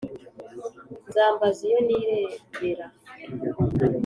Nzambaza iyo nirebera